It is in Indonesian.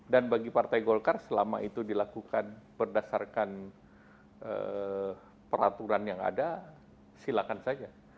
dan bagi partai golkar selama itu dilakukan berdasarkan peraturan yang ada silakan saja